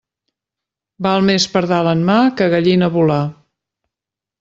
Val més pardal en mà que gallina volar.